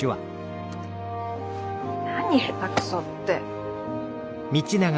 何下手くそって。